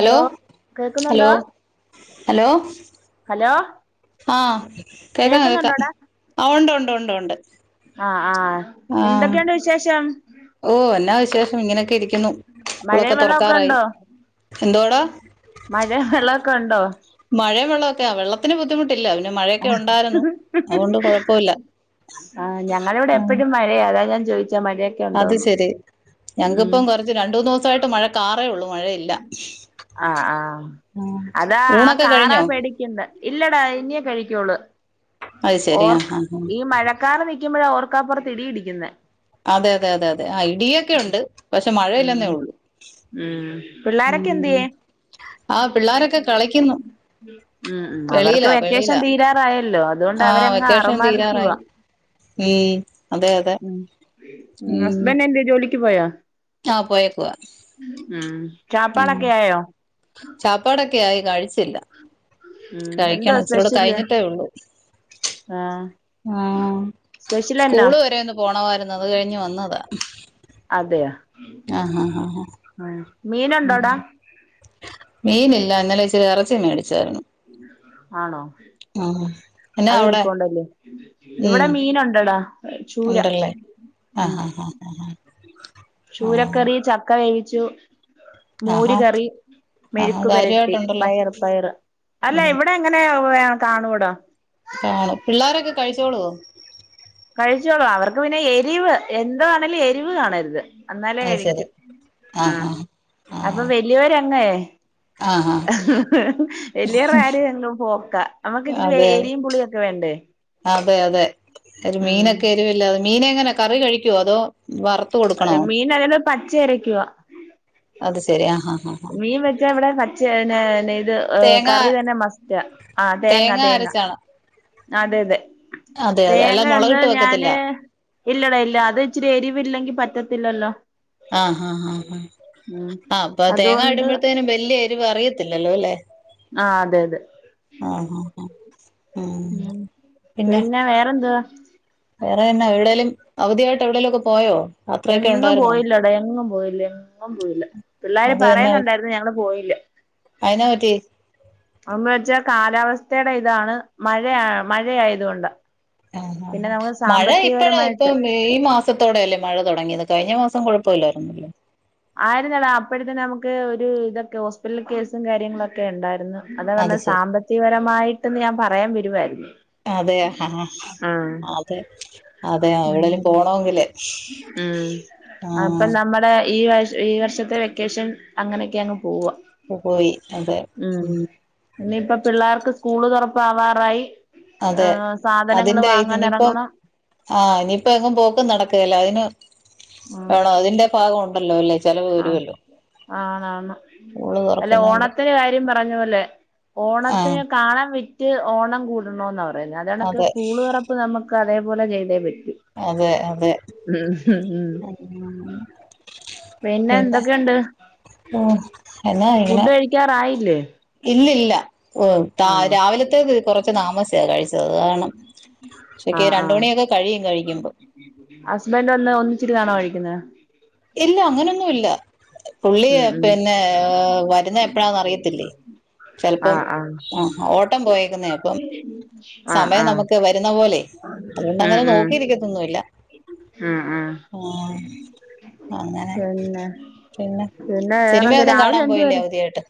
Hello hello കേക്കുന്നുണ്ടോ? Hello hello ആഹ് കേക്കാം കേക്കാം കേക്കുന്നുണ്ടോടാ ആഹ് ഉണ്ട് ഉണ്ട് ഉണ്ട് ഉണ്ട്. ആഹ് ആഹ് എന്തൊക്കെയുണ്ട് വിശേഷം? ഓഹ് എന്നാ വിശേഷം ഇങ്ങനെയൊക്കെ ഇരിക്കുന്നു സ്കൂളൊക്കെ മഴയും വെള്ളമൊക്കെ തുറക്കാറായി എന്തുവാടാ? മഴ വെള്ളമൊക്കെ ഉണ്ടോ? മഴയും വെള്ളമൊക്കെ വെള്ളത്തിന് ബുദ്ധിമുട്ടില്ല പിന്നെ മഴയൊക്കെ ഉണ്ടായിരുന്നു അതുകൊണ്ട് കുഴപ്പമില്ല. ആഹ് ഞങ്ങളിവിടെ ആഹ് എപ്പോഴും മഴയ അതാ ഞാൻ ചോദിച്ചേ മഴയൊ അത് ശെരി ഞങ്ങക്കിപ്പം കൊറച്ച് രണ്ടൂന്ന് ദിവസമായിട്ട് മഴ കാറേള്ളു മഴയില്ല. ആഹ് ആഹ് ആഹ് അതാ ആ ഊണൊക്കെ കാറാ കഴിഞ്ഞോ? പേടിക്കുന്നെ ഇല്ലടാ ഇനിയേ കഴിക്കൊള്ളു അത് ശരി ആഹ് ഓർക്ക് ആഹ് ഈ മഴ ക്കാറ് നിക്കുമ്പഴാ ഓർക്കാപ്പുറത്ത് ഇടിയിടിക്കുന്നേ. അതെ അതെ അതെ അതെ ആഹ് ഇടിയൊക്കെ ഉണ്ട് പക്ഷേ ഉം ഉം ഉം പിള്ളോരൊക്കെ എന്തിയെ ആ പിള്ളോരൊക്കെ കളിക്കുന്നു ഉം ഉം അവർക്ക് വെളിയിലാ വെക്കേഷൻ വെളിയിലാ തീരാറായല്ലോ അതുകൊണ്ട് ആ അവരങ്ങ് വെക്കേഷൻ തീരാറായി ആർമാധിക്കുവാ ഉം അതെ അതെ ഉം ഹസ്ബൻഡ് എന്തിയെ ജോലിക്ക് പോയാ ആഹ് പോയെക്കുവാ ഉം ശാപ്പാട് ഒക്കെ ആയോ? ശാപ്പാടൊക്കെ ആയി കഴിച്ചില്ല ഉം എന്തുവാ കഴിക്കണം ഇച്ചിരുടെ സ്പെഷ്യല് കഴിഞ്ഞിട്ടേ ഉള്ളൂ ആഹ് ആഹ് സ്പെഷ്യലെന്നാ സ്കൂള് വരെ ഒന്ന് പോണവാരുന്നു അത് കഴിഞ്ഞ് വന്നതാ അതെയ ആഹ് ആഹ് ആഹ് ആഹ് മീൻ ഒണ്ടോടാ മീനില്ല ഇന്നലെ ഇച്ചിരി എറച്ചി മേടിച്ചാരുന്നു ആണോ? ആഹ അതിരിപ്പോണ്ടല്ലേ ഇവിടെ മീനുണ്ടെടാ ചൂര. ഉണ്ടല്ലേ ഉം ആഹ് ഹ ഹ ഹ ഹ ചൂരക്കറി ചക്ക വേവിച്ചു. മോര് ആഹാ കറി, ആഹാ മെഴുക്കുപെരട്ടി, കാര്യമായിട്ടുണ്ടല്ലോ പയറ് പയറ്. അല്ല ഉം ഇവിടെ അങ്ങനെ കാണുട. കാണും പിള്ളാരൊക്കെ കഴിച്ചോളൂവൊ? കഴിച്ചോളൂ അവർക്ക് പിന്നെ എരിവ് എന്തവാണേലും എരിവ് കാണരുത്. അന്നാലേ അത് കഴിക്കൂ ശരി ആഹ് ഉം അപ്പൊ ആഹ് വലിയൊരാങ്ങെ ആഹ് ആഹ് ആഹ് വലിയവർടെ കാര്യഅങ്ങ് പോക്ക നമ്മുക്ക് ഇച്ചിരി അതെ എരിയും പുളിയു ഒക്കെ വേണ്ടേ? അതെ അതെ ഒരു ഉം മീനൊക്കെ എരിവിലാതെ മീന് എങ്ങനെ കറി കഴിക്കുവോ അതോ? വറുത്ത് കൊടുക്കണോ ഏഹ് മീൻ അല്ലെല് പച്ചയരയ്കുവാ. അത് ശരി ആഹ മീൻ വെച്ചാ ഇവിടെ പച്ച എന്നാ പിന്നെ ഇത്. ഏഹ് തേങ്ങ കറി തന്നെ മസ്റ്റ് ആഹ് തേങ്ങ തേങ്ങ അതെ അതെ. അതെ അതെ അല്ല തേങ്ങ ഒന്ന് മുളകിട്ട് വെക്കത്തില്ല ഞാന് ഇലെടാ ഇല്ല അത് ഇച്ചിരി എരിവില്ലെങ്കി പറ്റത്തില്ലല്ലോ? ആഹ് ഹ ഹ ഹ് ഉം ആഹ് അപ്പൊ തേങ്ങ അതുകൊണ്ട് ഇടുമ്പോഴേത്തേനും വലിയ എരിവ് അറിയത്തില്ലല്ലോ അല്ലേ? ആ അതെ അതെ ആഹ് ആഹ് ആഹ് ഉം പിന്നെ വേറെന്തുവാ? വേറെ എന്ന? എവിടെലും അവധിയായിട്ട് എവിടെലും ഒക്കെ പോയോ? യാത്രയൊക്കെ എങ്ങും ഉണ്ടായിരുന്നോ പോയില്ലെടാ എങ്ങും പോയില്ല. എങ്ങും പോയില്ല പിള്ളാര് അത് എന്നാ പറയുന്നുണ്ടായിരുന്നു ഞങ്ങള് പോയില്ല. അയിനാ പറ്റി ഒന്ന് വെച്ചാ കാലാവസ്ഥടെ ഇതാണ് മഴയാ മഴയായതു കൊണ്ട. ആഹ് ആഹ് ആഹ് മഴ ഇപ്പഴ എപ്പോം ഈ മാസത്തോടെയല്ലേ മഴ തുടങ്ങിയത് കഴിഞ്ഞ മാസം കുഴപ്പഇല്ലാരുന്നല്ലോ? ആരുന്നെടാ അപ്പോഴത്തെന് നമുക്ക് ഒരു ഇതൊക്കെ ഹോസ്പിറ്റ്ല് കേസും കാര്യങ്ങളുഒക്കെ ഒണ്ടാരുന്നു. അതാ അത് പറഞ്ഞേ ശരി സാമ്പത്തികപരമായിട്ടും ഞാൻ പറയാൻ വരുവാരുന്നു. അതെയ ആഹ അതെ അതെ എവിടെലും പോണോങ്കില്. ഉം അതിപ്പം നമ്മള്. ഈ വ ഈ വർഷത്തെ വെക്കേഷൻ അങ്ങനെഒക്കെ അങ് പോവ. [unintelligible] പോയി അതെ ഉം ഇനിപ്പോ പിള്ളേർക്ക് സ്കൂള് തൊറപ്പാവാറായി. അതെ ഏഹ് സാധനങ്ങള് അതിന്റെ വാങ്ങാൻ ഇതിനിപ്പം ഏറങ്ങണം. ആഹ് ഇനിപ്പോ എങ്ങും പോക്കും നടക്കേല്ല അതിന് ഉം വേണോ അതിന്റെ ഭാഗം ഒണ്ടല്ലോലേ ആഹ് ആണാണ് സ്കൂള് അല്ല തുറക്കുന്നതിന്റെ ഓണത്തിന് കാര്യം പറഞ്ഞ പോലെ ആഹ് ഓണത്തിന് കാണം വിറ്റ് ഓണം കൂടണോന്ന പറയുന്നത് അത് കണക്ക് അതെ സ്കൂള് തൊറ പ്പ് നമക്ക് അതേപോലെ ചെയ്തേ പറ്റു. അതെ അതെ ആഹ് പിന്നെ ഉം എന്നാ ഇങ്ങനെ ക്കാറായില്ലേ? ഇല്ലില്ല ഓഹ് താ രാവിലത്തേത് കൊറച്ച് താമസിച്ച കഴിച്ചത് അത് കാരണം. ഉച്ചെക്ക് ആഹ് രണ്ട് ആഹ് മണിയൊക്കെ കഴിയും കഴിക്കുമ്പം ഹസ്ബൻഡ് വന്ന് ഒന്നിച്ചിരുന്നാണോ കഴിക്കുന്നെ? ഇല്ല അങ്ങനൊന്നുവില്ല പുള്ളി ഉം ഉം പിന്നെ വരുന്നെ എപ്പഴാന്നറിയത്തില്ലേ ചെൽപ്പം ആഹ് ആഹ് ആ ഓട്ടം പോയക്കുന്നേ അപ്പം ആഹ് സമയം ആഹ് നമുക്ക് വരുന്ന പോലെ ഉം അതുകൊണ്ടങ്ങനെ ഉം നോക്കിരിക്കത്തൊന്നുവില്ല ആഹ് ആഹ് ആഹ് അങ്ങനെ പിന്നെ പിന്നെ പിന്നെ വേറെന്ത് സിനിമയൊന്നും രാവിലെ കാണാൻ പോയില്ലേ എന്തുവായിര് അവധിയായിട്ട്.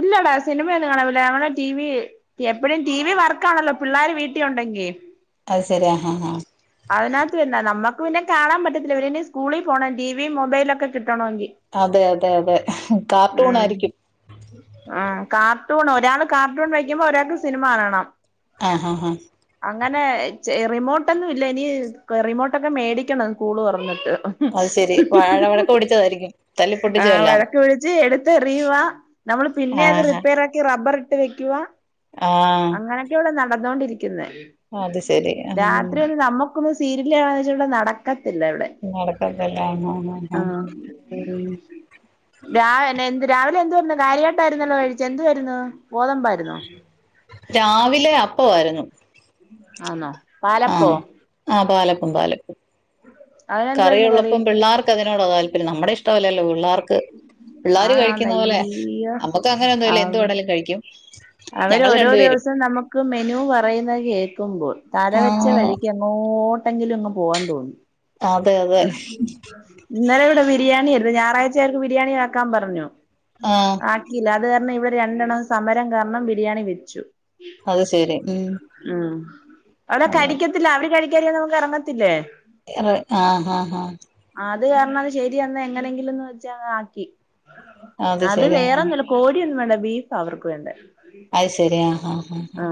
ഇല്ലടാ സിനിമയൊന്നും കാണാൻ പോയില്ല ഞങ്ങളെ ടി വി എപ്പഴും ടി വി വർക്കാണല്ലോ പിള്ളര് വീട്ടി ഒണ്ടെങ്കി അത് സേരി ആഹ് ആഹ് അതിനത്ത് തന്ന നമുക്ക് പിന്നെ കാണാൻ പറ്റത്തില്ല ഇവരിന്നി സ്കൂളി പോകണം ടി വിയും മൊബൈലോക്കെ കിട്ടണോങ്കി അതെ അതെ അതെ കാർട്ടൂൺ ഉം ആരിക്കും ആഹ് കാർട്ടൂൺ ഒരാള് കാർട്ടൂൺ വെക്കുമ്പോ ഒരാക്ക് സിനിമ കാണണം ആഹ് ആഹ് ആഹ് അങ്ങനെ റിമോട്ടൊന്നും ഇല്ല ഇനി റിമോട്ടൊക്കെ മേടിക്കണം സ്കൂള് തൊറന്നിട്ട് അത് ശെരി വാഴ വഴക്ക് പിടിച്ചതാരിക്കും ആഹ് വഴക്ക്പിടിച്ച് എടുത്ത്റിയുവാ നമ്മള് പിന്നെ അത് ആഹ റിപ്പേറാക്കി റബ്ബറി ട്ട് വെക്കുവാ ആഹ് അങ്ങനൊക്കാ ഇവടെ നടന്നോണ്ടിരിക്കുന്നെ അത് ശരി ഉം രാത്രി ഒന്ന് നമ്മക്കൊന്ന് സീരില്ക്കാണന്ന് വെച്ച നടക്കത്തില്ല ഇവടെ നടക്കത്തല്ല ആഹ് ആഹ് ഉം രാ എന്ത് രാവിലെ എന്ത് വരുന്നു കാര്യട്ടായിരുന്നല്ലോ കഴിച്ചെ എന്ത് വരുന്നു ഗോതമ്പാരുന്നോ? രാവിലെ അപ്പാവാരുന്നു ആന്നോ പാലപ്പോ ആഹ് ആഹ് പാലപ്പം പാലപ്പം അതിനെന്തുവാരുന്നു കറി കറിയൊള്ളപ്പം പിള്ളാർ ക്കതിനോടാ താല്പര്യം നമ്മുടെ ഇഷ്ടവല്ലല്ലോ പിള്ളർക്ക് ആന്നാന്ന് പിള്ളാര്കഴിക്കുന്നപോലെ അയ്യോ നമ്മുക്ക് അങ്ങനെ ആ ഒന്നുവില്ല എന്ത് വേണെലും കഴിക്കും അവര് ഞങ്ങൾ ഓരോ രണ്ടുപേരും ദിവസം നമ ക്ക് മെനു പറയുന്നത് കേക്കുമ്പോ തല വെച്ച ആഹ് വഴിക്ക് എങ്ങോട്ടെങ്കിലും അങ്ങ് പോവാൻ തോന്നും അതെ അതെ ഇന്നലെ ഇവടെ ബിരിയാണി ആരുന്നു ഞായറാഴ്ചകർക്ക് ബിരിയാണി ആക്കാൻ പറഞ്ഞു ആഹ് ആക്കില്ല. അത് കാരണം ഇവടെ രണ്ടെണ്ണം സമരം കാരണം ബിരിയാണി വെച്ചു അത് ശെരി ഉം ഉം അവര് അതെ കഴിക്കത്തില്ല അവര് കഴിക്കാതിരിക്കാ നമുക്ക് എറങ്ങത്തില്ലേ ആഹ് ആഹ് ആഹ് അത് കാരണം അത് ശരിയന്ന് എങ്ങനെങ്കിലുംന്ന് വെച്ചാ ആക്കി അത് ശരി ആഹ് വേറെ നില കോടിയൊന്നും വേണ്ട ബീഫാ അവർക്കു വേണ്ടെ അത് ശരി ആഹ് ആഹ് ഹാ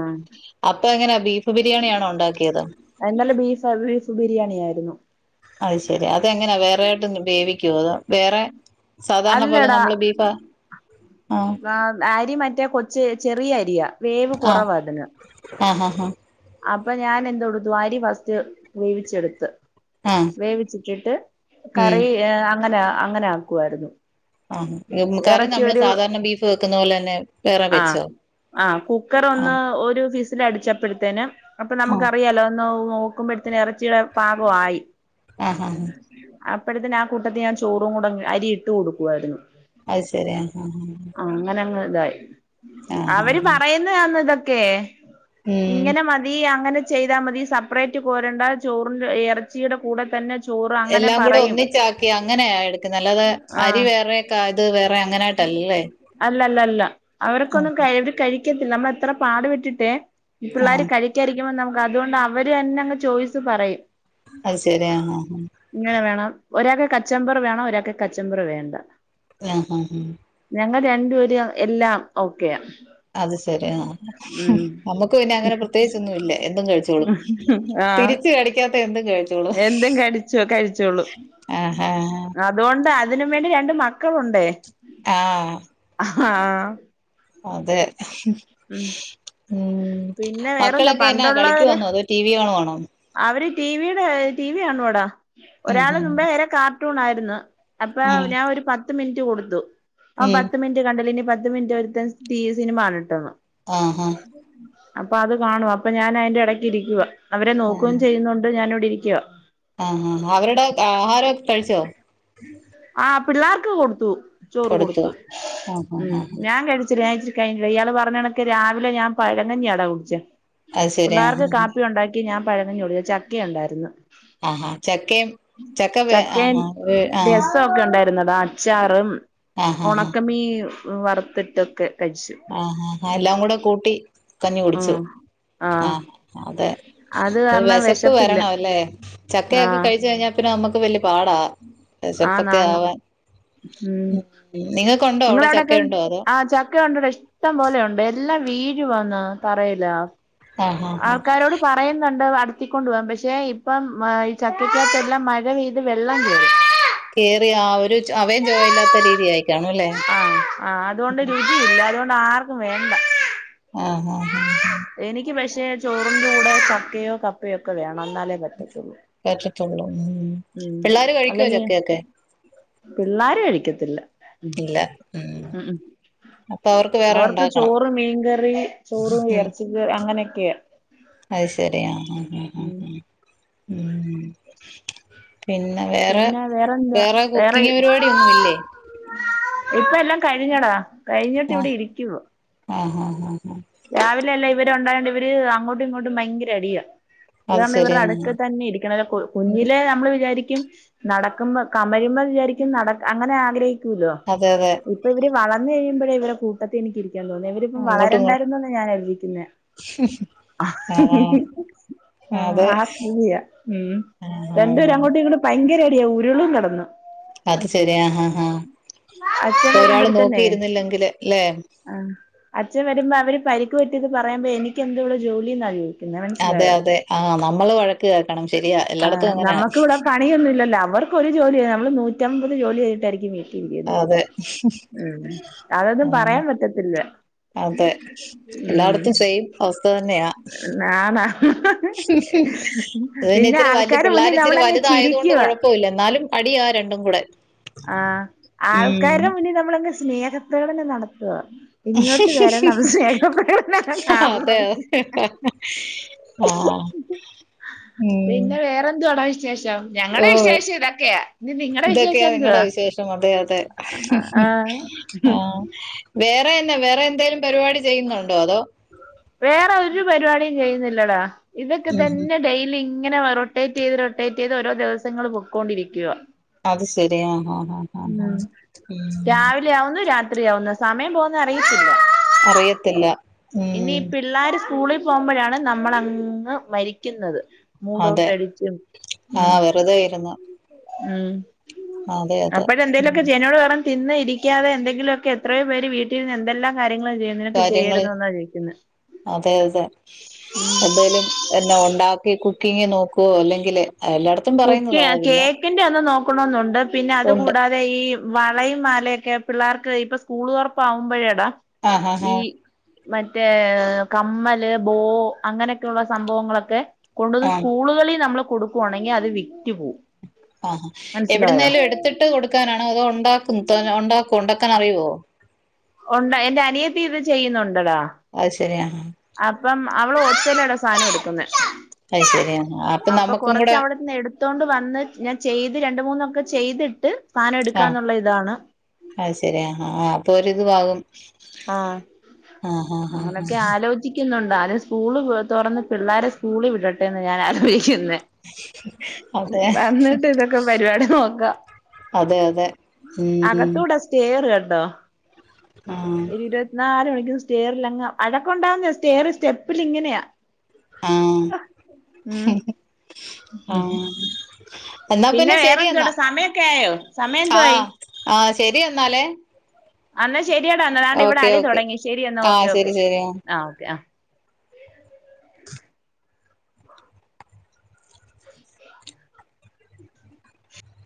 അപ്പൊ എങ്ങനാ ബീഫ് ബിരിയാണിയാണോ ഉണ്ടാക്കിയത് ആഹ് ഇന്നലെ ബീഫ് ബീഫ് ബിരിയാണി ആയിരുന്നു അത് ശരി അതെങ്ങനാ വേറെ ആയിട്ട് വേവിക്കോ അതോ വേറെ സാധാരണ പോലെ അല്ലടാ നമ്മള് ബീഫാ ആ ആഹ് അരി മറ്റേ കൊച്ച് ചെറിയ അരിയാ വേവ് ആഹ് കുറവാ അതിന് ആഹ് ആഹ് ആഹ് അപ്പൊ ഞാൻ എന്തോ ഉടുത്തു അരി ഫസ്റ്റ് വേവിച്ചെടുത്ത് ആഹ് വേവിച്ചിട്ടിട്ട് ഉം കറി അങ്ങനെ അങ്ങനെ ആക്കുവാരുന്നു ആഹ് കറി നമ്മള് സാധാരണ ബീഫ് വെക്കുന്ന പോലെ തന്നെ വേറെ വെച്ചോ ആ കുക്കർ ഒന്ന് ആഹ് ഒരു വിസി അടിച്ചപ്പഴത്തേന് അപ്പൊ ആഹ് നമുക്കറിയാലോ ഒന്ന് നോക്കുമ്പഴത്തേന് എറച്ചിയുടെ പാകം ആയി ആഹ് ആഹ് ആഹ് അപ്പഴത്തിന് ആ കൂട്ടത്തി ഞാൻ ചോറും കൂടങ്ങ് അരി ഇട്ടു കൊടുക്കുവായിരുന്നു അത് ശെരി ആഹ് ആഹ് അങ്ങനങ്ങ് ഇതായി ആഹ് അവര് ആഹ് പറയുന്നതാന്ന് ഇതൊക്കെ ഉം ഇങ്ങനെ മതി അങ്ങനെ ചെയ്താ മതി സപ്പറേറ്റ് കോരെണ്ട ചോറിന്റെ എറച്ചിയുടെ കൂടെ തന്നെ ചോറ് അങ്ങനെ എല്ലാംകൂടെ പറയും ഒന്നിച്ച അങ്ങനെയാ എടുക്കുന്നെ അല്ലാതെ ആഹ് അരി വേറെ ക്ക ഇത് വേറെ അങ്ങനെയായിട്ടല്ലല്ലേ അല്ല അല്ല അല്ല അവരൊക്കൊന്നും അവര് കഴിക്കത്തില്ല നമ്മളത്ര പാടുപെട്ടിട്ടേ ഈ പിള്ളാര് ആഹ് കഴിക്കാരിക്കുമ്പോ നമുക്ക് അതുകൊണ്ട് അവര് തന്നെ അങ്ങ് ചോയ്സ്പറയും അത് ശരി ആഹ് ആഹ് ആഹ് ഇങ്ങനെ വേണം ഒരാക്ക് കച്ചമ്പറ് വേണം ഒരാക്ക് കച്ചമ്പറ് വേണ്ട ആഹ് ആഹ് ആഹ് ഞങ്ങ രണ്ട്പേരും എല്ലാം ഓക്കെയാ. അത് ശെരി ആഹ് ഉം നമുക്ക് പിന്നെങ്ങനെ പ്രത്യേകിച്ചൊന്നും ഇല്ല എന്തും കഴിച്ചോളും ആഹ് തിരിച്ച് കടി ക്കാത്ത എന്തും കഴ് എന്തും കടിച്ചോ കഴിച്ചോളും ആഹാ അതോണ്ട് അതിനും വേണ്ടി രണ്ട് മക്കളൊണ്ടേ ആഹ് ആഹ് അതെ ഉം ഉം പിന്നെ വേറെന്താ മക്കളൊക്കെ എന്നാ പണ്ടൊള്ളവര് കളിക്കുവാന്നോ അതോ ടി വി കാണുവാണോ അവര് ടിവിടെ ടി വി കാണുവാടാ ഉം ഒരാള് മുമ്പേ ഉം വരെ കാർട്ടൂണാര്ന്ന് അപ്പ ഉം ഞാൻ ഒരു പത്ത് മിനിറ്റ് കൊട്ത്തു ആ ഉം പത്ത് മിൻ റ്റ് കണ്ടില്ലേ ഇനി പത്ത് മിനിറ്റ് ഒര്ത്തൻ ടി സിനിമകാണട്ട്ന്ന് ആഹാ അപ്പ അത് കാണുവാ അപ്പ ഞാൻ അയിന്റെ എടക്ക് ഇരിക്കുവാ അവരെ നോക്കും ചെയ്യ്ന്നൊണ്ട് ഞാൻ ഇവ്ടിരിക്കുവാ ആഹ് ആഹ് അവര്ടെ ആഹാരൊക്കെ കഴിച്ചോ ആഹ് പിള്ളാർക്ക് കൊട്ത്തു ചോറ് കൊടുത്തു ആഹ് ഉം ആഹ് ആഹ് ഞാൻ കഴിച്ചില്ല ഞാൻ ഇച്ചിരി കഴിഞ്ഞില്ല ഇയാള് പറഞ്ഞണക്ക് രാവിലെ ഞാൻ പഴംകഞ്ഞിയാട കുടിച്ചെ അത് ശരി ആഹ് പിള്ളാർക്ക് കാപ്പിയൊണ്ടാ ക്കി ഞാൻ പഴംകഞ്ഞികുടിച്ചു ചക്കേം ഒണ്ടാര്ന്ന് ആഹാ ചക്കേം ക്കേം രസംഒക്കെ ഒണ്ടായിര്ന്നെടാ അച്ചാറും ആഹ് ആഹ് ഒണക്കമീ മ്മള് വറ്ത്ത്ട്ടൊക്കെ കഴിച്ചു. ആഹ് ആഹ് ആഹ് എല്ലാം കൂടെകൂട്ടി കഞ്ഞികുടിച്ചു. ഉം ആഹ് അതെ അത് കാരണം വെശപ്പ് വിശപ്പില്ല വരണം അല്ലേ ചക്കയൊക്കെ ആഹ് കഴിച്ച്കഴിഞ്ഞാ പിന്നെനമ്മക്ക് വല്യപാടാ വെശപ്പൊക്കെ ആന്നാന്ന് ആവാൻ. ഉം നിങ്ങൾക്കുണ്ടോ അവിടെ നിങ്ങളവിടെക്കെ ചക്കയുണ്ടോ അതോ ആഹ് ചക്ക ഒണ്ടടാ ഇഷ് ഇഷ്ട്ടം പോലെയൊണ്ട്. എല്ലാം വീഴ് വാന്ന് തറേല്. ആഹ് ആഹ് ആഹ് ആൾക്കാരോട് പറയ്ന്നൊണ്ട് അട് ത്തിക്കൊണ്ടോവാൻ പക്ഷെ ഇപ്പം ഈ ചക്കക്ക്യാത്തെല്ലാം മഴ പെയ്ത് വെള്ളം കേറി കേറിയാ ഒര് അവേം ചോവേംഇല്ലാത്തരീതിയായി കാണുവല്ലേ? ഞ്ഞിയില്ല അത്കൊണ്ട് ആർക്കും വേണ്ട. ആഹ് ആഹ് ആഹ് എനിക്ക് പക്ഷേ ചോറിന്റെ കൂടെ ചക്കയോ കപ്പയോ ഒക്കെ വേണം എന്നാലേ പറ്റത്തൊള്ളൂ. പറ്റത്തൊള്ളൂ ഉം പിള്ളാര് കഴിക്കുവോ അല്ലെങ്കി ചക്കയൊക്കെ? പിള്ളാര് കഴിക്കത്തില്ല. ഉം ഇല്ല ഉം അപ്പൊ വേറെ അവർക്ക് ഉണ്ടാക്കണം ചോറ് മീകറി ചോറും എറച്ചിക അങ്ങനെയൊക്കെയാ. അയ് ശെരിയ ആഹ് ആഹ് ഉം ആഹ് ഉം പിന്നെ വേറെ പിന്നെ വേറെന്താ വേറെ കുക്കിങ്ങ് പര്പാടിയൊന്നുംയില്ലേ? ഇപ്പ എല്ലാം കഴിഞ്ഞടാ കഴിഞ്ഞിട്ട് ആഹ് ഇവ്ടെ ഇരിക്ക്‌വാ ആഹ് ആഹ് ആഹ് ആഹ് രാവിലെയെല്ലാം ഇവര് ഒണ്ടായൊണ്ട് ഇവര് അങ്ങോട്ടും ഇങ്ങോട്ടും ഭയങ്കര അടിയാ അത് കാരണം ശരി ഇവര്ടെ ആഹ് അട്ക്ക തന്നെ ഇരിക്കണം അല്ലെ കൊ കുഞ്ഞിലെ നമ്മള് വിചാരിക്കും നടക്ക്‌മ്പ കമര്മ്പ വിചാരിക്കും നട അങ്ങനെ ആഗ്രഹി റ്റുലോ അതെ അതെ ഇപ്പ ഇവര് വളർന്ന് കഴിയുമ്പോ ഇവരെ കൂട്ടത്തി എനിക്ക് ഇരിക്കാൻ തോന്നിയെ ഇവരിപ്പ വളരണ്ടാ ര്ന്നന്ന് ഞാൻആലോയിക്ക്‌ന്നെ ഉം ആഹ് അതെ ആഹ് [unintelligible] ഉം ആഹ് ആഹ് രണ്ടുപേരും അങ്ങോട്ടും ഇങ്ങോട്ടും ഭയങ്കര അടിയാ ഉര്ളും കേടന്ന്. അത് ശെരിയാ ആഹ് ഹഹ അച്ഛൻ ഇപ്പൊ ഒരാള് നോക്കിയിരുന്നില്ലെങ്കില് അല്ലെ ആഹ് അച്ഛൻ വരുമ്പോ അവര് പരിക്ക് പറ്റിയത് പറയുമ്പോ എനിക്ക് എന്താ ജോലിന്നച്ചോയിക്ക അതെ അതെ ആഹ് നമ്മള് വഴക്ക് കേക്കണം ശരിയാ ആ എല്ലായിടത്തും അങ്ങനെയാ നമുക്ക് ഇവിടെ പണിയൊന്നും ഇല്ലല്ലൊ അവർക്ക്‌ ഒരു ജോലി ചെയ്യ നമ്മള് നൂറ്റമ്പത് ജോലി ചെയ്തിട്ടായിരിക്കും വീ രിക്കുന്നെ അതെ ഉം ആതാത് ഉം പറയാൻ പറ്റത്തില്ല അതെ ഉം എല്ലായിടത്തും സെയിം അവസ്ഥ ആഹ് ആഹ് അപ്പൊ പിന്നെ ഇച്ചിരി വല്യ ആൾക്കാരുടെ പിള്ളേർ മുന്നിൽ ഇച്ചിരി നമ്മളങ്ങ് വലുതായതു കൊണ്ട് ചിരിക്കുക കൊഴപ്പ ഇല്ല എന്നാലും അടിയാ രണ്ടും കൂടെ ആഹ് ഉം ആൾക്കാരുടെ മുന്നേ നമ്മളങ്ങ് സ്നേഹത്തൊടെ നടക്ക കാണണം അതേയൊ ആഹ് ആഹ് പിന്നെ വേറെന്തുവാടാ വിശേഷം ഓ ഞങ്ങടെ വിശേഷം ഇതൊക്കെയ ഇനി നിങടെ വിശേഷം ഇതൊക്കെയാ നിങ്ങടെ എന്തുവാ വിശേഷം അതെ അതെ ആഹ് ആഹ് വേറെനാ വേറെ എന്തെലും പരിപാടി ചെയ്യുന്നുണ്ടോ അതോ വേറെ ഒരു പരിപാടിയും ചെയ്യുന്നില്ലടാ ഇതൊക്കെ ഉം ഉം തന്നെ ഡെയ്ലി ഇങ്ങനെ റൊട്ടേറ്റ് ചെയ്ത് റൊട്ടേറ്റ് ചെയ്ത് ഓരോ ദിവസങ്ങള് പൊക്കൊണ്ടിരിക്കുവാ അത് ശരി ആഹ് ആഹ് ആഹ് ആഹ് ആഹ് ഉം ഉം രാവിലെയാവുന്നു രാത്രിയാവുന്നു സമയം പോന്ന അറിയത്തില്ല അറിയത്തില്ല ഇനി ഉം പിള്ളാര് സ്കൂളി പോകുമ്പഴാണ് നമ്മളങ്ങ് മരിക്കുന്നത് മൂഡ് അതെ ഔട്ടടിച്ചും ഉം ആഹ് വെറുതെ ഇരുന്ന് ഉം അതെ അതെ അപ്പൊ ഉം തെന്തേലൊക്കെ ചേനോട് പറ തിന്ന് ഇരിക്കാതെ എന്തെങ്കിലൊക്കെ എത്രയോ പേര് വീട്ടിര്ന്ന് എന്തെല്ലാം കാര്യങ്ങളാ ചെയ്യ്ണെ [unintelligible] ണ്ട് അതെ അതെ എന്തേലും എന്ന ഒണ്ടാക്കി കുക്കിംഗ് നോക്കോ അല്ലെങ്കില് എല്ലായിടത്തും കുക്യെ പറയുന്നതാ ആ പിന്നെ കേക്കിന്റൊന്ന് നോക്കണോന്നുണ്ട് പിന്നെ അത് ഉണ്ട് കൂടാതെ പ്പ ഈ വളയും മാലയൊക്കെ പിള്ളേർക്ക് ഇപ്പ സ്കൂൾ തൊർപ്പാകുമ്പഴെടാ ആഹ് ആഹ് ഈ ആഹ് മറ്റേ കമ്മല് ബോ അങ്ങനെയൊക്കുള്ള സംഭവങ്ങളൊക്കെ കൊണ്ടുവന്ന് ആഹ് സ്കൂളുകളി നമ്മള് കൊടുക്കുവാണെങ്കി അത് വിറ്റ് പോം ആഹാ എവ്ടെന്നേലും എടുത്തിട്ട് കൊടുക്കാനാണോ അതോ ഒണ്ടാക്കും തന്നെ ഒണ്ടാക്കോ ഒണ്ടാക്കാനറിയോ ഒണ്ട് എന്റെ അനിയത്തി ഇത് ചെയ്യുന്നുണ്ടെടാ അത് ശെരി ആഹ് അപ്പം അവള് ഓൾസെയ്‌ലായിട്ട സാനെട്ക്കുന്നെ അത് ശരി ആഹാ അപ്പൊ നമ്മുക്കും കൂടെ കൊർച്ചവിട്ന്ന് എടു ത്തോണ്ട് വന്ന് ഞാൻ ചെയ്ത് രണ്ട് മൂന്നൊക്കെ ചെയ്തിട്ട് സാനം ആഹ് എടുക്കാന്നുള്ള ഇതാണ് അത് ശെരി ആഹ് ഹ അപ്പൊരിതും ആവും ആഹ് അങ്ങനെയൊക്കെ ആലോചി ചിക്കുന്നുണ്ട് ആദ്യം സ്കൂള് തൊറന്ന് പിള്ളാരെ സ്കൂളി വിടട്ടെ ന്ന ഞാനാലോചിക്കുന്നെ അതെ അന്ന്ട്ട് ഇതൊക്കെ പരിപാടി നോക്കാ അതെ അതെ ഉം ഉം അകത്തൂടെ സ്റ്റെയർ കണ്ടോ ആഹ് ഒരു ഇരുപത്തിനാല് മണിക്കുറും സ്റ്റേറിലങ് അഴക്കുണ്ടാവുന്ന സ്റ്റേർ സ്റ്റെപ്പിലിങ്ങനെയാ ഉം ആഹ് ആഹ് എന്നാ പിന്നെ ശരി എന്നാ വേറെന്തുവാടാ സമയൊക്കെ ആയോ സമയെന്തുവായി ആഹ് ആഹ് ശെരി എന്നാലെ അന്നാ ശെരിയെടാ അന്നണ്ട് ഇവടെ അടി ഓക്കെ തൊടങ്ങി ശെരി എന്നാ ഓക്കെ ആഹ് ഓക്കെ ശരി ശരി ആഹ് ഓക്കെ ആഹ്